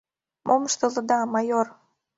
— Мом ыштылыда, майор!..